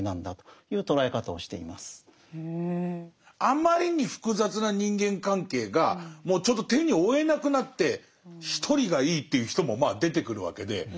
あまりに複雑な人間関係がもうちょっと手に負えなくなって一人がいいっていう人もまあ出てくるわけで。